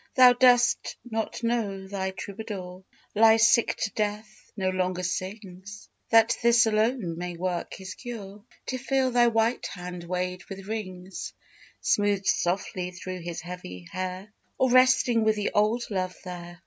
Thou dost not know thy troubadour Lies sick to death; no longer sings: That this alone may work his cure To feel thy white hand, weighed with rings, Smoothed softly through his heavy hair, Or resting with the old love there.